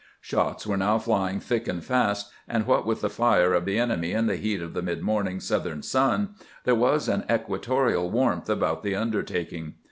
Shots were now flying thick and fast, and what with the fire of the enemy and the heat of the midsummer Southern sun, there was an equatorial warmth about the undertaking.